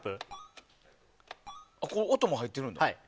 音も入ってるんだ。